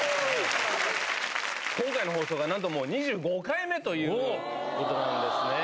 今回の放送がなんと２５回目ということなんですね。